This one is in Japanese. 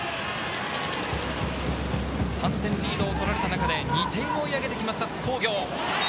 ３点リードを取られた中で２点を追い上げてきた津工業。